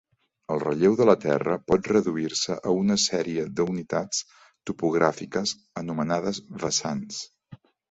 El relleu de la Terra pot reduir-se a una sèrie d'unitats topogràfiques anomenades vessants.